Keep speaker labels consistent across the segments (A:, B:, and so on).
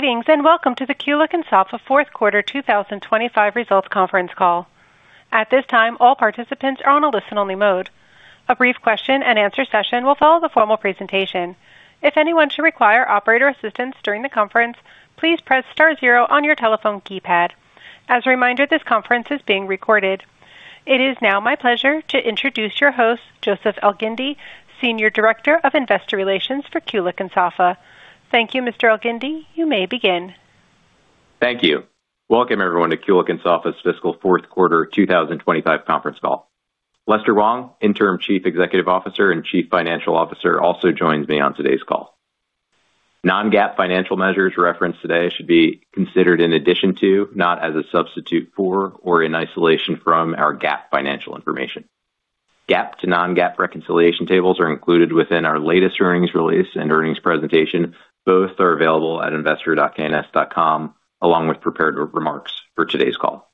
A: Greetings and welcome to the Kulicke & Soffa Fourth Quarter 2025 Results Conference Call. At this time, all participants are on a listen-only mode. A brief question-and-answer session will follow the formal presentation. If anyone should require operator assistance during the conference, please press star zero on your telephone keypad. As a reminder, this conference is being recorded. It is now my pleasure to introduce your host, Joseph Elgindy, Senior Director of Investor Relations for Kulicke & Soffa. Thank you, Mr. Elgindy. You may begin.
B: Thank you. Welcome, everyone, to Kulicke & Soffa's Fiscal Fourth Quarter 2025 Conference Call. Lester Wong, Interim Chief Executive Officer and Chief Financial Officer, also joins me on today's call. Non-GAAP financial measures referenced today should be considered in addition to, not as a substitute for, or in isolation from, our GAAP financial information. GAAP to non-GAAP reconciliation tables are included within our latest earnings release and earnings presentation. Both are available at investor.K&S.com, along with prepared remarks for today's call.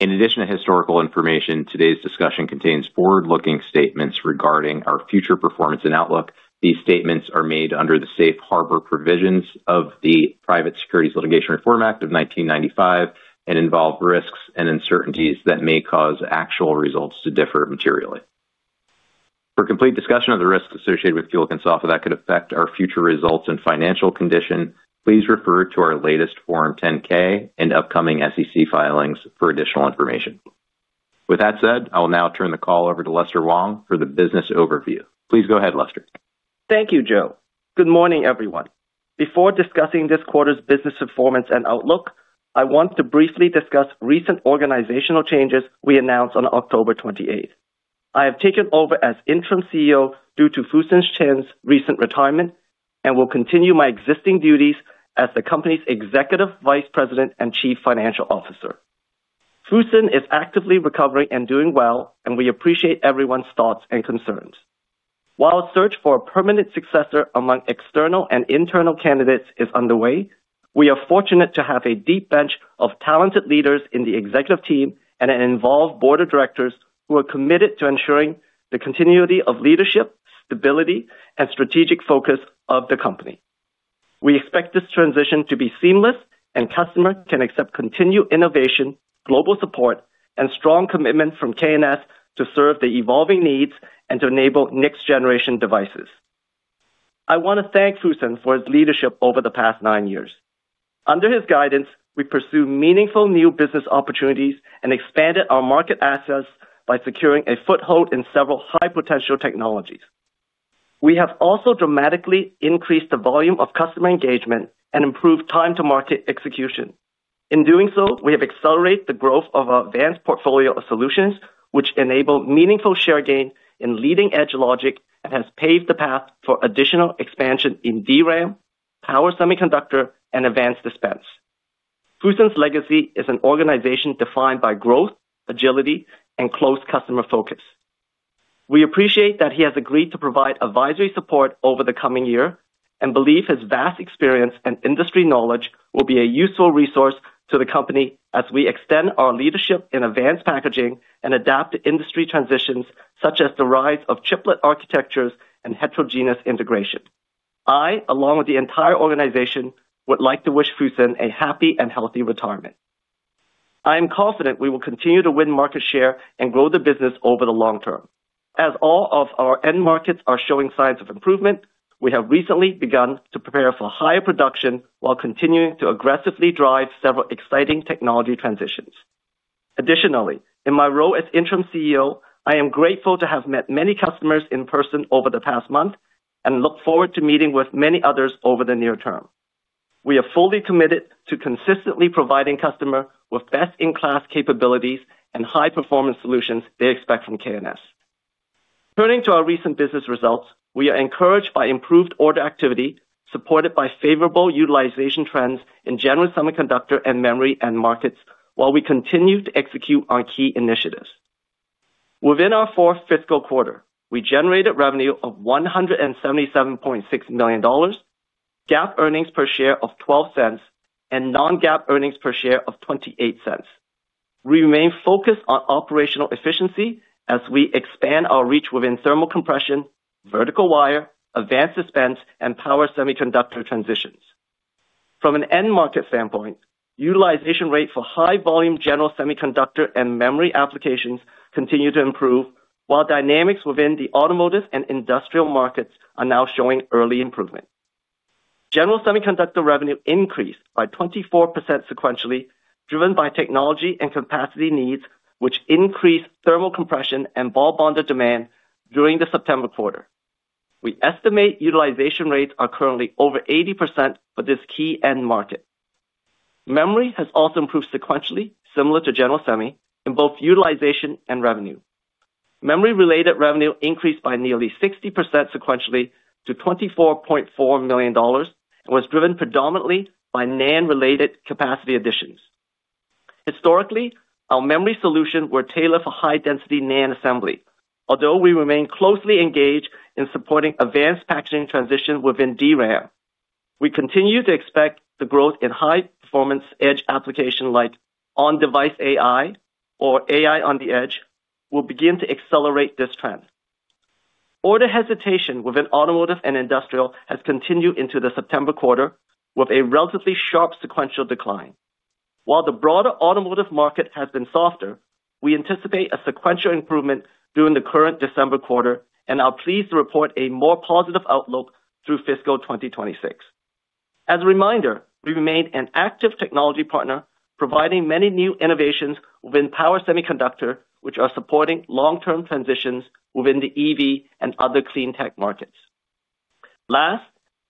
B: In addition to historical information, today's discussion contains forward-looking statements regarding our future performance and outlook. These statements are made under the safe harbor provisions of the Private Securities Litigation Reform Act of 1995 and involve risks and uncertainties that may cause actual results to differ materially. For complete discussion of the risks associated with Kulicke & Soffa that could affect our future results and financial condition, please refer to our latest Form 10-K and upcoming SEC filings for additional information. With that said, I will now turn the call over to Lester Wong for the business overview. Please go ahead, Lester.
C: Thank you, Joe. Good morning, everyone. Before discussing this quarter's business performance and outlook, I want to briefly discuss recent organizational changes we announced on October 28th. I have taken over as Interim CEO due to Fusen Chen's recent retirement and will continue my existing duties as the company's Executive Vice President and Chief Financial Officer. Fusen is actively recovering and doing well, and we appreciate everyone's thoughts and concerns. While a search for a permanent successor among external and internal candidates is underway, we are fortunate to have a deep bench of talented leaders in the executive team and involved board of directors who are committed to ensuring the continuity of leadership, stability, and strategic focus of the company. We expect this transition to be seamless and the customer can accept continued innovation, global support, and strong commitment from K&S to serve the evolving needs and to enable next-generation devices. I want to thank Fusen for his leadership over the past nine years. Under his guidance, we pursued meaningful new business opportunities and expanded our market assets by securing a foothold in several high-potential technologies. We have also dramatically increased the volume of customer engagement and improved time-to-market execution. In doing so, we have accelerated the growth of our advanced portfolio of solutions, which enable meaningful share gain in leading-edge logic and have paved the path for additional expansion in DRAM, power semiconductor, and advanced dispense. Fusen's legacy is an organization defined by growth, agility, and close customer focus. We appreciate that he has agreed to provide advisory support over the coming year and believe his vast experience and industry knowledge will be a useful resource to the company as we extend our leadership in advanced packaging and adapt to industry transitions such as the rise of chiplet architectures and heterogeneous integration. I, along with the entire organization, would like to wish Fusen a happy and healthy retirement. I am confident we will continue to win market share and grow the business over the long term. As all of our end markets are showing signs of improvement, we have recently begun to prepare for higher production while continuing to aggressively drive several exciting technology transitions. Additionally, in my role as Interim CEO, I am grateful to have met many customers in person over the past month and look forward to meeting with many others over the near term. We are fully committed to consistently providing customers with best-in-class capabilities and high-performance solutions they expect from K&S. Turning to our recent business results, we are encouraged by improved order activity supported by favorable utilization trends in general semiconductor and memory end markets while we continue to execute our key initiatives. Within our fourth fiscal quarter, we generated revenue of $177.6 million, GAAP earnings per share of $0.12, and non-GAAP earnings per share of $0.28. We remain focused on operational efficiency as we expand our reach within thermal compression, vertical wire, advanced dispense, and power semiconductor transitions. From an end market standpoint, utilization rates for high-volume general semiconductor and memory applications continue to improve, while dynamics within the automotive and industrial markets are now showing early improvement. General semiconductor revenue increased by 24% sequentially, driven by technology and capacity needs, which increased thermal compression and ball bonder demand during the September quarter. We estimate utilization rates are currently over 80% for this key end market. Memory has also improved sequentially, similar to general semi, in both utilization and revenue. Memory-related revenue increased by nearly 60% sequentially to $24.4 million and was driven predominantly by NAND-related capacity additions. Historically, our memory solutions were tailored for high-density NAND assembly. Although we remain closely engaged in supporting advanced packaging transition within DRAM, we continue to expect the growth in high-performance edge applications like on-device AI or AI on the edge will begin to accelerate this trend. Order hesitation within automotive and industrial has continued into the September quarter with a relatively sharp sequential decline. While the broader automotive market has been softer, we anticipate a sequential improvement during the current December quarter and are pleased to report a more positive outlook through fiscal 2026. As a reminder, we remain an active technology partner, providing many new innovations within power semiconductor, which are supporting long-term transitions within the EV and other clean tech markets. Last,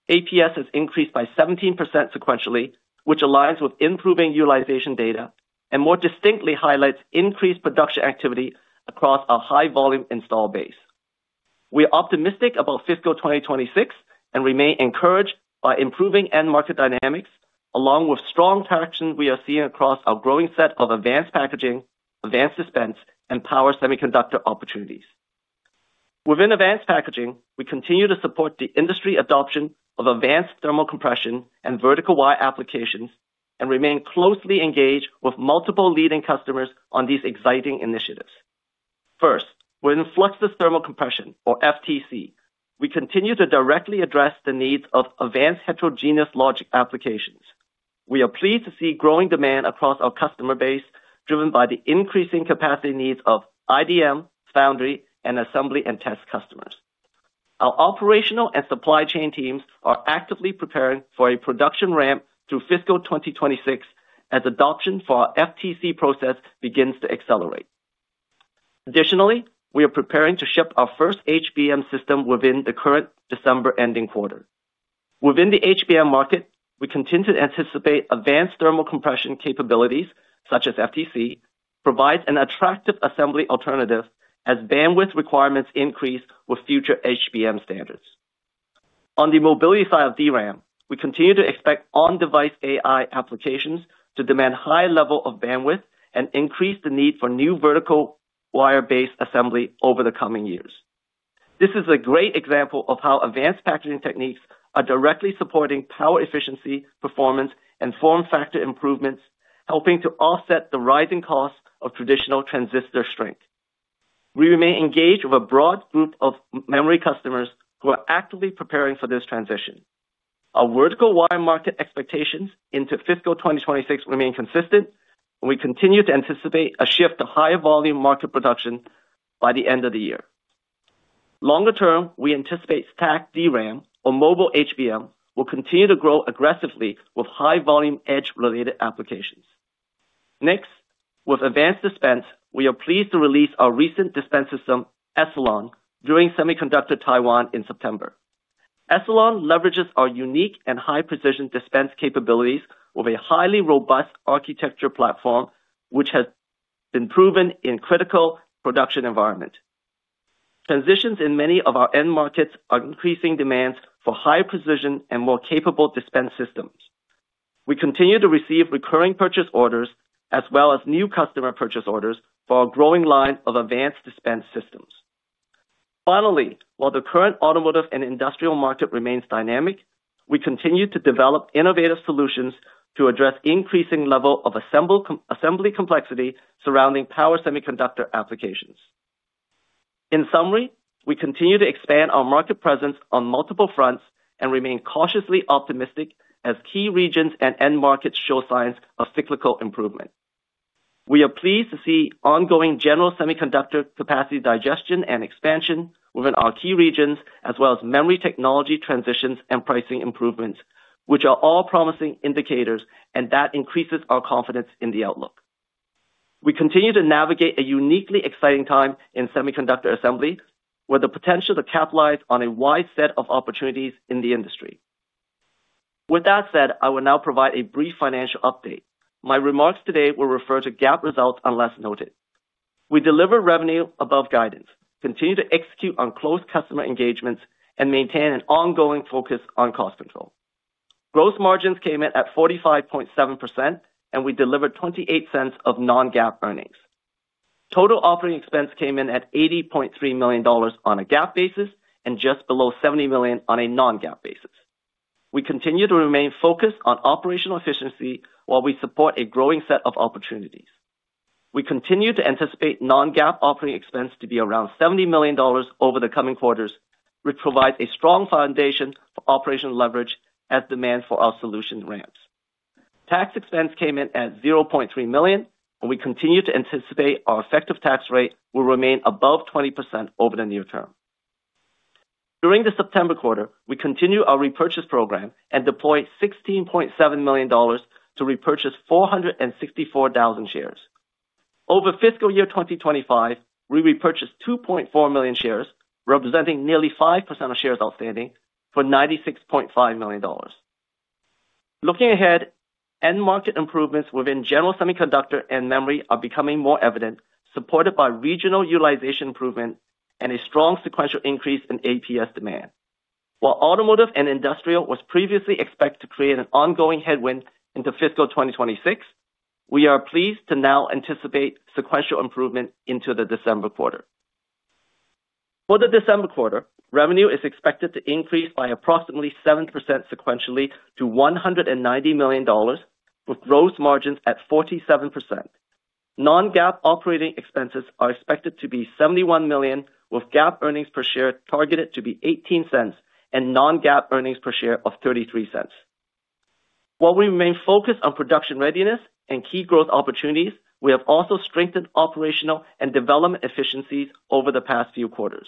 C: APS has increased by 17% sequentially, which aligns with improving utilization data and more distinctly highlights increased production activity across our high-volume install base. We are optimistic about fiscal 2026 and remain encouraged by improving end market dynamics, along with strong traction we are seeing across our growing set of advanced packaging, advanced dispense, and power semiconductor opportunities. Within advanced packaging, we continue to support the industry adoption of advanced thermal compression and vertical wire applications and remain closely engaged with multiple leading customers on these exciting initiatives. First, within fluxless thermal compression, or FTC, we continue to directly address the needs of advanced heterogeneous logic applications. We are pleased to see growing demand across our customer base, driven by the increasing capacity needs of IDM, foundry, and assembly and test customers. Our operational and supply chain teams are actively preparing for a production ramp through fiscal 2026 as adoption for our FTC process begins to accelerate. Additionally, we are preparing to ship our first HBM system within the current December ending quarter. Within the HBM market, we continue to anticipate advanced thermal compression capabilities, such as FTC, provides an attractive assembly alternative as bandwidth requirements increase with future HBM standards. On the mobility side of DRAM, we continue to expect on-device AI applications to demand high levels of bandwidth and increase the need for new vertical wire-based assembly over the coming years. This is a great example of how advanced packaging techniques are directly supporting power efficiency, performance, and form factor improvements, helping to offset the rising costs of traditional transistor strength. We remain engaged with a broad group of memory customers who are actively preparing for this transition. Our vertical wire market expectations into fiscal 2026 remain consistent, and we continue to anticipate a shift to high-volume market production by the end of the year. Longer-term, we anticipate STACK DRAM, or mobile HBM, will continue to grow aggressively with high-volume edge-related applications. Next, with advanced dispense, we are pleased to release our recent dispense system, Essilon, during Semiconductor Taiwan in September. Essilon leverages our unique and high-precision dispense capabilities with a highly robust architecture platform, which has been proven in critical production environments. Transitions in many of our end markets are increasing demands for high-precision and more capable dispense systems. We continue to receive recurring purchase orders, as well as new customer purchase orders for our growing line of advanced dispense systems. Finally, while the current automotive and industrial market remains dynamic, we continue to develop innovative solutions to address the increasing level of assembly complexity surrounding power semiconductor applications. In summary, we continue to expand our market presence on multiple fronts and remain cautiously optimistic as key regions and end markets show signs of cyclical improvement. We are pleased to see ongoing general semiconductor capacity digestion and expansion within our key regions, as well as memory technology transitions and pricing improvements, which are all promising indicators, and that increases our confidence in the outlook. We continue to navigate a uniquely exciting time in semiconductor assembly, with the potential to capitalize on a wide set of opportunities in the industry. With that said, I will now provide a brief financial update. My remarks today will refer to GAAP results unless noted. We deliver revenue above guidance, continue to execute on close customer engagements, and maintain an ongoing focus on cost control. Gross margins came in at 45.7%, and we delivered $0.28 of non-GAAP earnings. Total operating expense came in at $80.3 million on a GAAP basis and just below $70 million on a non-GAAP basis. We continue to remain focused on operational efficiency while we support a growing set of opportunities. We continue to anticipate non-GAAP operating expense to be around $70 million over the coming quarters, which provides a strong foundation for operational leverage as demand for our solution ramps. Tax expense came in at $0.3 million, and we continue to anticipate our effective tax rate will remain above 20% over the near term. During the September quarter, we continue our repurchase program and deployed $16.7 million to repurchase 464,000 shares. Over fiscal year 2025, we repurchased 2.4 million shares, representing nearly 5% of shares outstanding for $96.5 million. Looking ahead, end market improvements within general semiconductor and memory are becoming more evident, supported by regional utilization improvement and a strong sequential increase in APS demand. While automotive and industrial was previously expected to create an ongoing headwind into fiscal 2026, we are pleased to now anticipate sequential improvement into the December quarter. For the December quarter, revenue is expected to increase by approximately 7% sequentially to $190 million, with gross margins at 47%. Non-GAAP operating expenses are expected to be $71 million, with GAAP earnings per share targeted to be $0.18 and non-GAAP earnings per share of $0.33. While we remain focused on production readiness and key growth opportunities, we have also strengthened operational and development efficiencies over the past few quarters.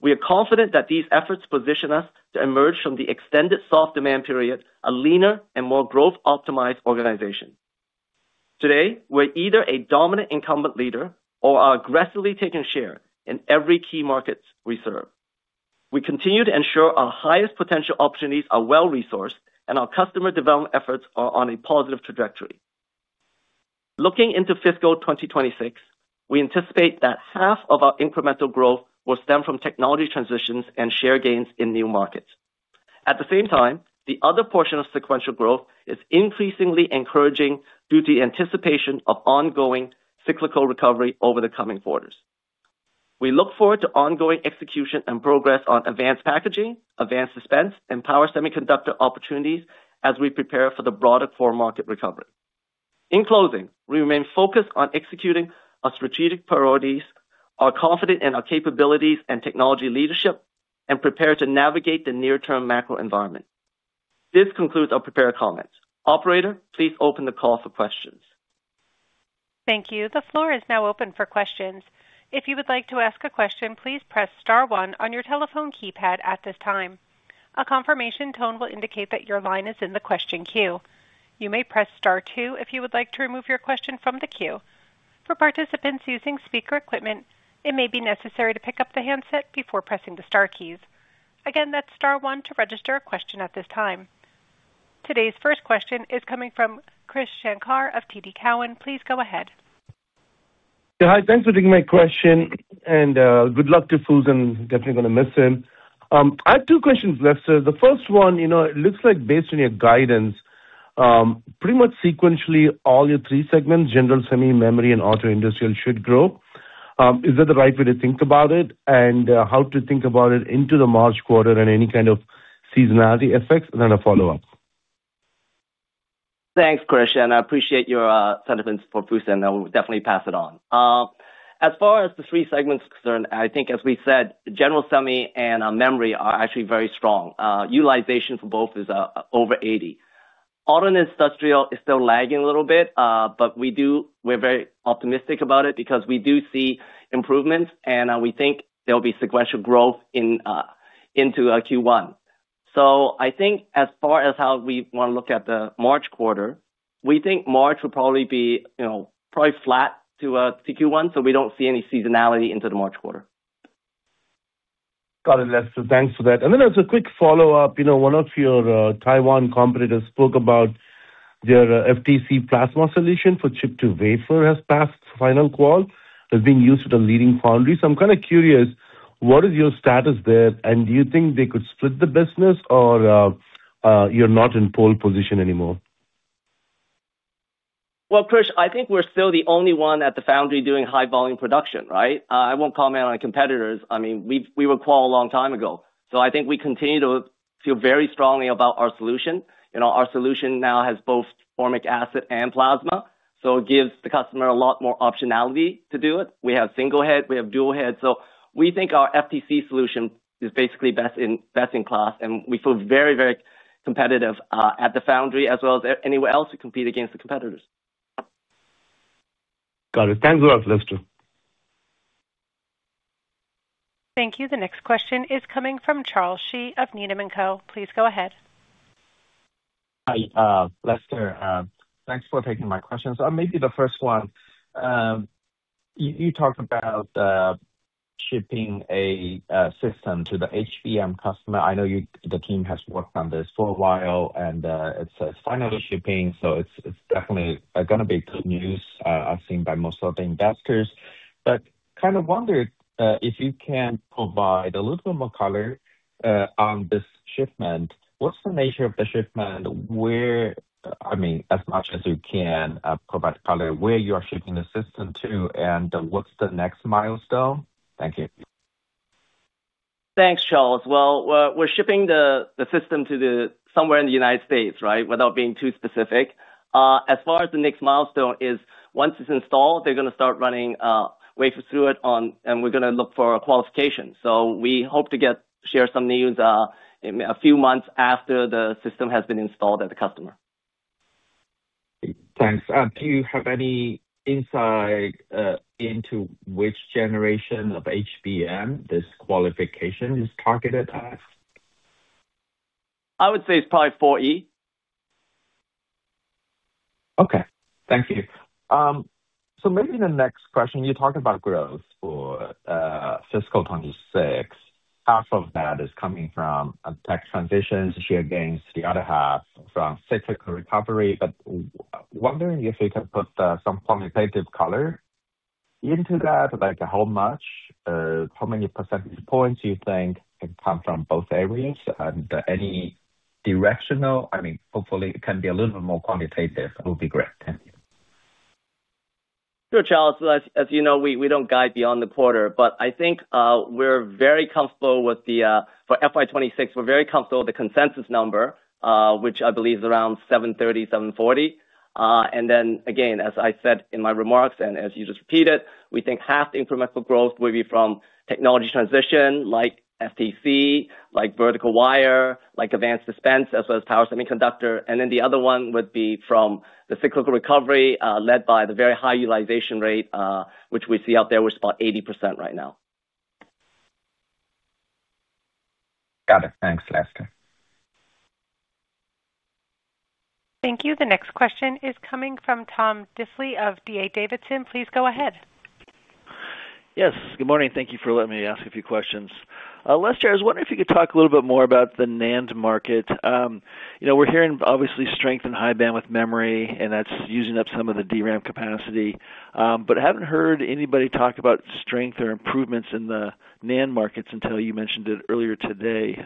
C: We are confident that these efforts position us to emerge from the extended soft demand period, a leaner and more growth-optimized organization. Today, we're either a dominant incumbent leader or are aggressively taking share in every key market we serve. We continue to ensure our highest potential opportunities are well-resourced, and our customer development efforts are on a positive trajectory. Looking into fiscal 2026, we anticipate that half of our incremental growth will stem from technology transitions and share gains in new markets. At the same time, the other portion of sequential growth is increasingly encouraging due to the anticipation of ongoing cyclical recovery over the coming quarters. We look forward to ongoing execution and progress on advanced packaging, advanced dispense, and power semiconductor opportunities as we prepare for the broader core market recovery. In closing, we remain focused on executing our strategic priorities, are confident in our capabilities and technology leadership, and prepare to navigate the near-term macro environment. This concludes our prepared comments. Operator, please open the call for questions.
A: Thank you. The floor is now open for questions. If you would like to ask a question, please press star one on your telephone keypad at this time. A confirmation tone will indicate that your line is in the question queue. You may press star two if you would like to remove your question from the queue. For participants using speaker equipment, it may be necessary to pick up the handset before pressing the star keys. Again, that's star one to register a question at this time. Today's first question is coming from Krish Sankar of TD Cowen. Please go ahead.
D: Hi, thanks for taking my question, and good luck to Fusen. Definitely going to miss him. I have two questions left, sir. The first one, you know, it looks like based on your guidance, pretty much sequentially, all your three segments, general semi, memory, and auto industrial should grow. Is that the right way to think about it? How to think about it into the March quarter and any kind of seasonality effects? Then a follow-up.
C: Thanks, Krish. I appreciate your sentiments for Fusen, and we'll definitely pass it on. As far as the three segments are concerned, I think, as we said, general semi and memory are actually very strong. Utilization for both is over 80%. Auto-industrial is still lagging a little bit, but we're very optimistic about it because we do see improvements, and we think there'll be sequential growth into Q1. I think as far as how we want to look at the March quarter, we think March will probably be flat to Q1, so we don't see any seasonality into the March quarter.
D: Got it, Lester. Thanks for that. As a quick follow-up, you know, one of your Taiwan competitors spoke about their FTC plasma solution for chip-to-wafer has passed final call. It's being used with a leading foundry. I'm kind of curious, what is your status there? Do you think they could split the business, or you're not in pole position anymore?
C: Krish, I think we're still the only one at the foundry doing high-volume production, right? I won't comment on competitors. I mean, we were quite a long time ago. I think we continue to feel very strongly about our solution. You know, our solution now has both formic acid and plasma, so it gives the customer a lot more optionality to do it. We have single heads, we have dual heads. We think our FTC solution is basically best in class, and we feel very, very competitive at the foundry as well as anywhere else to compete against the competitors.
D: Got it. Thanks a lot, Lester.
A: Thank you. The next question is coming from Charles Shi of Needham & Co. Please go ahead.
E: Hi, Lester. Thanks for taking my questions. Maybe the first one. You talked about shipping a system to the HBM customer. I know the team has worked on this for a while, and it's finally shipping, so it's definitely going to be good news, I've seen by most of the investors. I kind of wondered if you can provide a little bit more color on this shipment. What's the nature of the shipment? I mean, as much as you can provide color, where you are shipping the system to, and what's the next milestone? Thank you.
C: Thanks, Charles. We're shipping the system to somewhere in the United States, right, without being too specific. As far as the next milestone is, once it's installed, they're going to start running wafer through it, and we're going to look for a qualification. We hope to share some news a few months after the system has been installed at the customer.
E: Thanks. Do you have any insight into which generation of HBM this qualification is targeted at?
C: I would say it's probably 4E.
E: Okay. Thank you. Maybe the next question, you talked about growth for fiscal 2026. Half of that is coming from tech transitions, share gains, the other half from cyclical recovery. Wondering if you can put some quantitative color into that, like how much, how many percentage points you think can come from both areas, and any directional? I mean, hopefully, it can be a little bit more quantitative. It would be great. Thank you.
C: Sure, Charles. As you know, we don't guide beyond the quarter, but I think we're very comfortable with the, for FY 2026, we're very comfortable with the consensus number, which I believe is around $730 million, $740 million. As I said in my remarks, and as you just repeated, we think half the incremental growth will be from technology transition, like FTC, like vertical wire, like advanced dispense, as well as power semiconductor. The other one would be from the cyclical recovery led by the very high utilization rate, which we see out there, which is about 80% right now.
E: Got it. Thanks, Lester.
A: Thank you. The next question is coming from Tom Diffely of D.A. Davidson. Please go ahead.
F: Yes. Good morning. Thank you for letting me ask a few questions. Lester, I was wondering if you could talk a little bit more about the NAND market. You know, we're hearing, obviously, strength in high bandwidth memory, and that's using up some of the DRAM capacity. I haven't heard anybody talk about strength or improvements in the NAND markets until you mentioned it earlier today.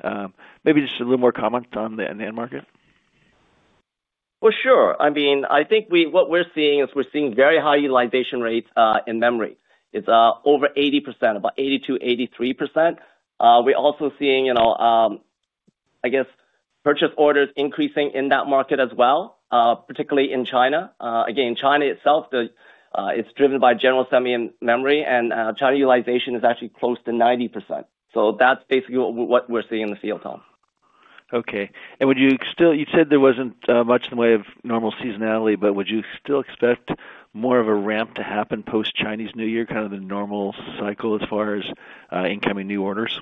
F: Maybe just a little more comment on the NAND market.
C: Sure. I think what we're seeing is we're seeing very high utilization rates in memory. It's over 80%, about 82%-83%. We're also seeing, I guess, purchase orders increasing in that market as well, particularly in China. Again, China itself, it's driven by general semi and memory, and China utilization is actually close to 90%. That's basically what we're seeing in the field, Tom.
F: Okay. You said there wasn't much in the way of normal seasonality, but would you still expect more of a ramp to happen post-Chinese New Year, kind of the normal cycle as far as incoming new orders?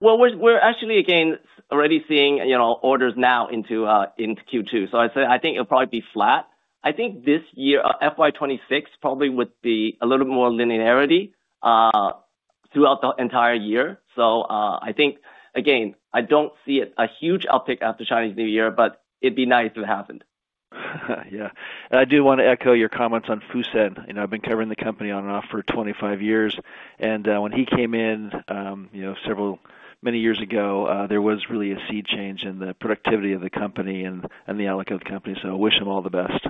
C: We're actually, again, already seeing orders now into Q2. I think it'll probably be flat. I think this year, FY 2026, probably would be a little bit more linearity throughout the entire year. I think, again, I don't see a huge uptick after Chinese New Year, but it'd be nice if it happened.
F: Yeah. I do want to echo your comments on Fusen. You know, I've been covering the company on and off for 25 years. When he came in, you know, several many years ago, there was really a sea change in the productivity of the company and the outlook of the company. I wish him all the best.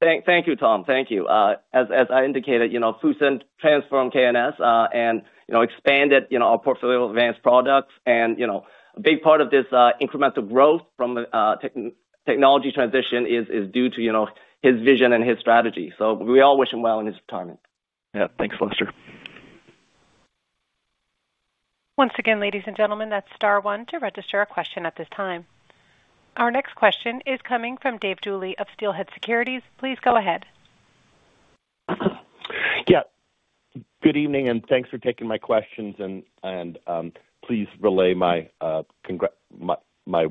C: Thank you, Tom. Thank you. As I indicated, you know, Fusen transformed K&S and expanded our portfolio of advanced products. You know, a big part of this incremental growth from technology transition is due to his vision and his strategy. We all wish him well in his retirement.
G: Yeah. Thanks, Lester.
A: Once again, ladies and gentlemen, that's star one to register a question at this time. Our next question is coming from Dave Duley of Steelhead Securities. Please go ahead.
H: Yeah. Good evening, and thanks for taking my questions. Please relay my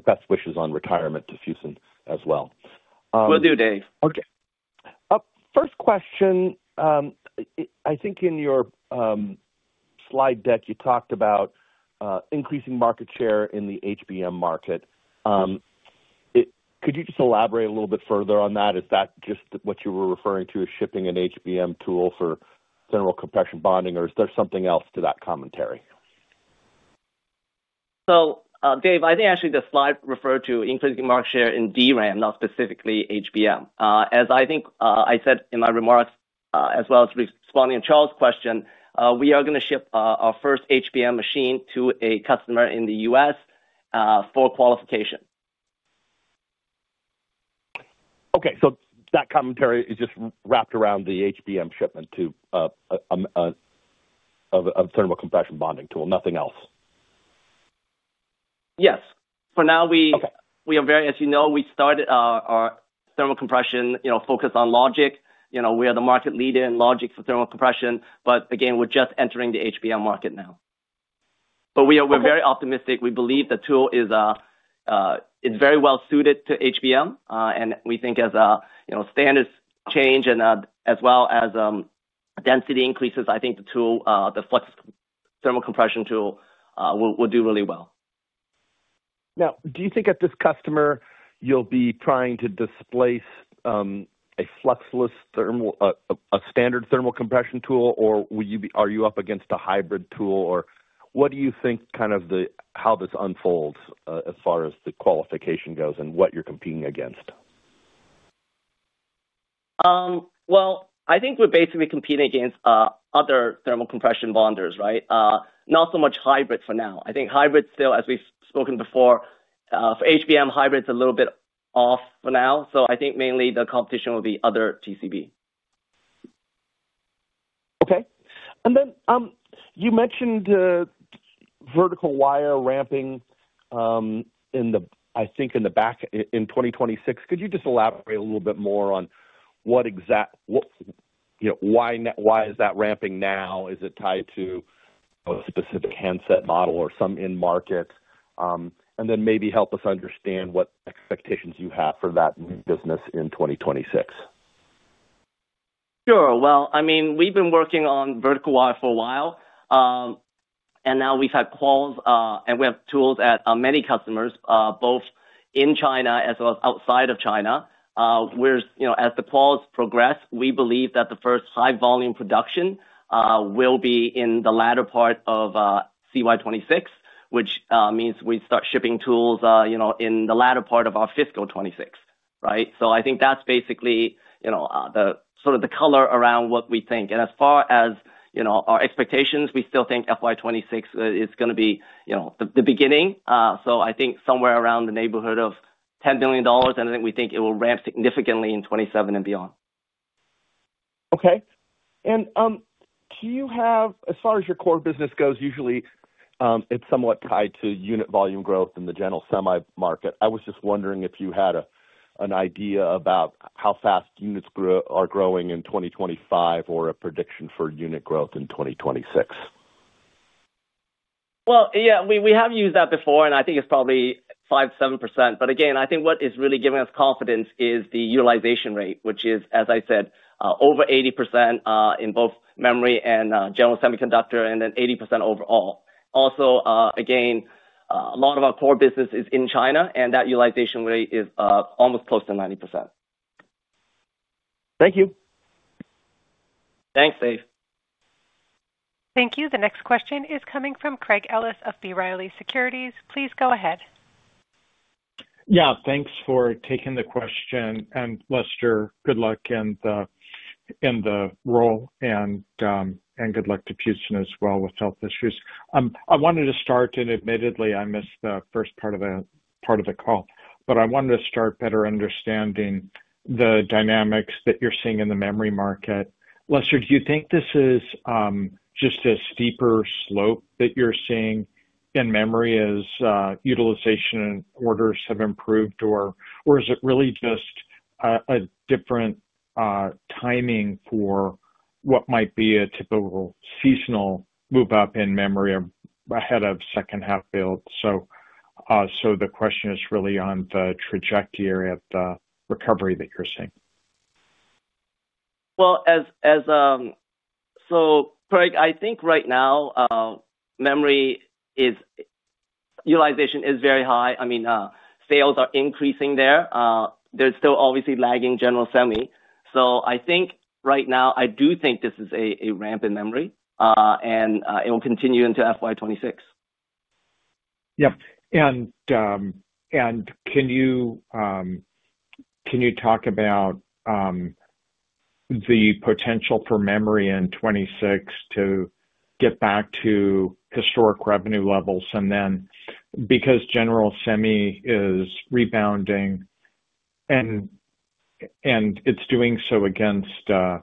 H: best wishes on retirement to Fusen as well.
C: Will do, Dave.
H: Okay. First question, I think in your slide deck, you talked about increasing market share in the HBM market. Could you just elaborate a little bit further on that? Is that just what you were referring to as shipping an HBM tool for general compression bonding, or is there something else to that commentary?
C: Dave, I think actually the slide referred to increasing market share in DRAM, not specifically HBM. As I think I said in my remarks, as well as responding to Charles' question, we are going to ship our first HBM machine to a customer in the U.S. for qualification.
H: 'Okay. That commentary is just wrapped around the HBM shipment of a thermal compression bonding tool, nothing else.
C: Yes. For now, we are very, as you know, we started our thermal compression focus on logic. You know, we are the market leader in logic for thermal compression. Again, we are just entering the HBM market now. We are very optimistic. We believe the tool is very well suited to HBM. We think as standards change and as well as density increases, I think the tool, the Flux Thermal Compression Tool, will do really well.
H: Now, do you think at this customer you'll be trying to displace a fluxless, a standard thermal compression tool, or are you up against a hybrid tool? Or what do you think kind of how this unfolds as far as the qualification goes and what you're competing against?
C: I think we're basically competing against other thermal compression bonders, right? Not so much hybrids for now. I think hybrids still, as we've spoken before, for HBM hybrids, a little bit off for now. I think mainly the competition will be other TCB.
H: Okay. You mentioned vertical wire ramping, I think in the back in 2026. Could you just elaborate a little bit more on what exact, why is that ramping now? Is it tied to a specific handset model or some in-market? Maybe help us understand what expectations you have for that new business in 2026.
C: Sure. I mean, we've been working on vertical wire for a while. Now we've had calls, and we have tools at many customers, both in China as well as outside of China. As the calls progress, we believe that the first high-volume production will be in the latter part of calendar year 2026, which means we start shipping tools in the latter part of our fiscal 2026, right? I think that's basically sort of the color around what we think. As far as our expectations, we still think fiscal year 2026 is going to be the beginning. I think somewhere around the neighborhood of $10 million, and I think we think it will ramp significantly in 2027 and beyond.
H: Okay. Do you have, as far as your core business goes, usually it is somewhat tied to unit volume growth in the general semi market. I was just wondering if you had an idea about how fast units are growing in 2025 or a prediction for unit growth in 2026.
C: Yeah, we have used that before, and I think it is probably 5%-7%. Again, I think what is really giving us confidence is the utilization rate, which is, as I said, over 80% in both memory and general semiconductor, and then 80% overall. Also, a lot of our core business is in China, and that utilization rate is almost close to 90%.
H: Thank you.
C: Thanks, Dave.
A: Thank you. The next question is coming from Craig Ellis of B. Riley Securities. Please go ahead.
I: Yeah. Thanks for taking the question. Lester, good luck in the role, and good luck to Fusen as well with health issues. I wanted to start, and admittedly, I missed the first part of the call, but I wanted to start better understanding the dynamics that you're seeing in the memory market. Lester, do you think this is just a steeper slope that you're seeing in memory as utilization and orders have improved, or is it really just a different timing for what might be a typical seasonal move-up in memory ahead of second half build? The question is really on the trajectory of the recovery that you're seeing.
C: Craig, I think right now memory utilization is very high. I mean, sales are increasing there. There's still obviously lagging general semi. I think right now, I do think this is a ramp in memory, and it will continue into FY 2026.
I: Yep. Can you talk about the potential for memory in 2026 to get back to historic revenue levels? Because general semi is rebounding and it is doing so against a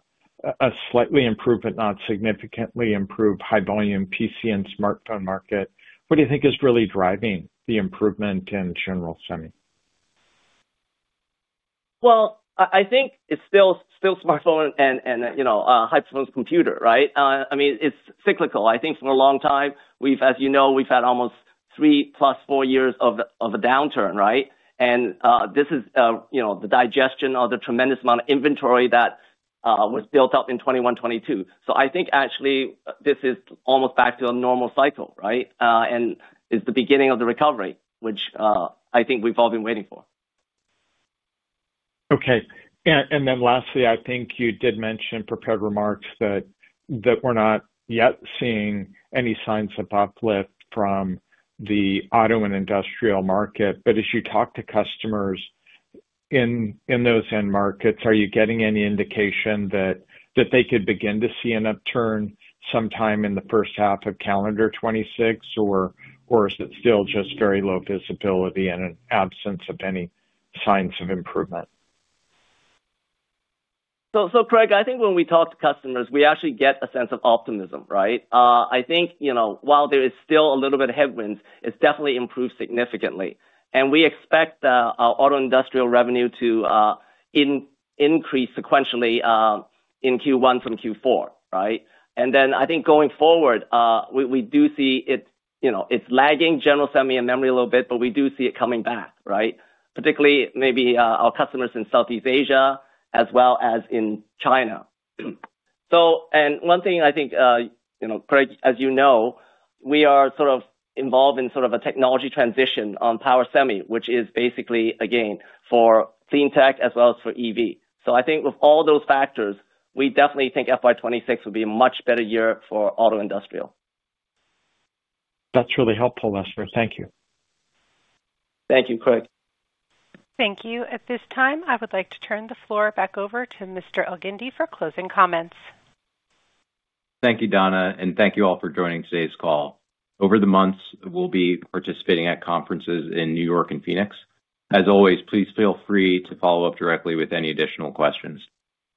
I: slightly improved, but not significantly improved high-volume PC and smartphone market, what do you think is really driving the improvement in general semi?
C: I think it is still smartphone and high-performance computer, right? I mean, it is cyclical. I think for a long time, as you know, we have had almost three plus four years of a downturn, right? This is the digestion of the tremendous amount of inventory that was built up in 2021, 2022. I think actually, this is almost back to a normal cycle, right? It is the beginning of the recovery, which I think we have all been waiting for.
I: Okay. I think you did mention in prepared remarks that we're not yet seeing any signs of uplift from the auto and industrial market. As you talk to customers in those end markets, are you getting any indication that they could begin to see an upturn sometime in the first half of calendar 2026, or is it still just very low visibility and an absence of any signs of improvement?
C: Craig, I think when we talk to customers, we actually get a sense of optimism, right? I think while there is still a little bit of headwinds, it's definitely improved significantly. We expect our auto industrial revenue to increase sequentially in Q1 from Q4, right? I think going forward, we do see it's lagging general semi and memory a little bit, but we do see it coming back, right? Particularly maybe our customers in Southeast Asia as well as in China. One thing I think, Craig, as you know, we are sort of involved in sort of a technology transition on power semi, which is basically, again, for clean tech as well as for EV. I think with all those factors, we definitely think FY 2026 would be a much better year for auto industrial.
I: That's really helpful, Lester. Thank you.
C: Thank you, Craig.
A: Thank you. At this time, I would like to turn the floor back over to Mr. Elgindy for closing comments.
B: Thank you, Donna, and thank you all for joining today's call. Over the months, we'll be participating at conferences in New York and Phoenix. As always, please feel free to follow up directly with any additional questions.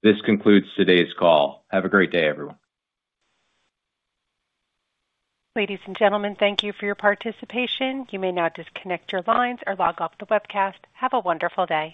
B: This concludes today's call. Have a great day, everyone.
A: Ladies and gentlemen, thank you for your participation. You may now disconnect your lines or log off the webcast. Have a wonderful day.